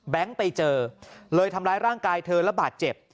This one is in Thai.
ไปเจอเลยทำร้ายร่างกายเธอระบาดเจ็บ